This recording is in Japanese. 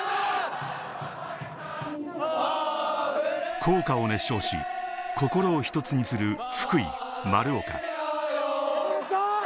校歌を熱唱し、心を一つにする、福井・丸岡。